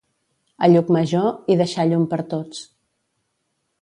A Llucmajor, hi deixà llum per tots.